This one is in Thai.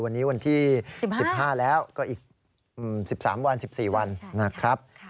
วันนี้วันที่๑๕แล้วก็อีก๑๓วัน๑๔วันนะครับ